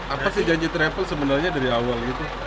apa sih janji travel sebenarnya dari awal gitu